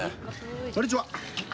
こんにちは！